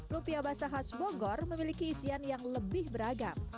lumpia basah khas bogor memiliki isian yang lebih beragam